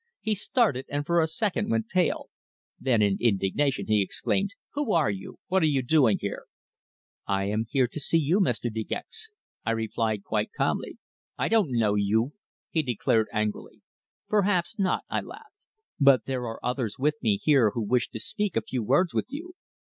He started, and for a second went pale. Then in indignation, he exclaimed: "Who are you? What are you doing here?" "I am here to see you, Mr. De Gex," I replied quite calmly. "I don't know you," he declared angrily. "Perhaps not," I laughed. "But there are others with me here who wish to speak a few words with you."